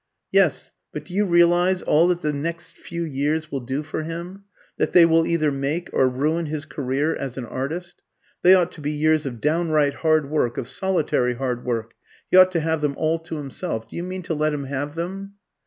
"Yes; but do you realise all that the next few years will do for him? That they will either make or ruin his career as an artist? They ought to be years of downright hard work, of solitary hard work; he ought to have them all to himself. Do you mean to let him have them?"